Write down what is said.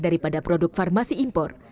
daripada produk farmasi impor